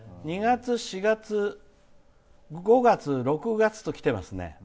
２月、４月、５月、６月と来てますね。